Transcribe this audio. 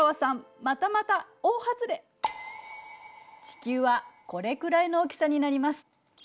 地球はこれくらいの大きさになります。